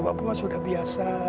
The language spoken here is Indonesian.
bapak pun sudah biasa